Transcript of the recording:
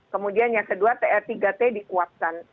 kemudian yang kedua tr tiga t dikuatkan